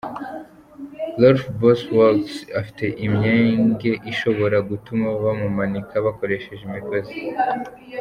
Rolf Buchholz afite imyenge ishobora gutuma bamumanika bakoresheje imigozi.